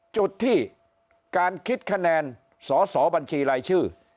จุดที่การคิดคะแนนสอสอบัญชีรายชื่อ